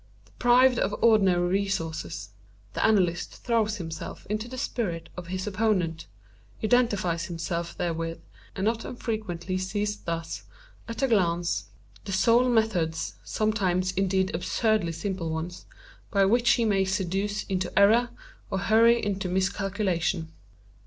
Deprived of ordinary resources, the analyst throws himself into the spirit of his opponent, identifies himself therewith, and not unfrequently sees thus, at a glance, the sole methods (sometime indeed absurdly simple ones) by which he may seduce into error or hurry into miscalculation.